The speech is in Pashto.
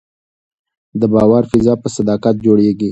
د باور فضا په صداقت جوړېږي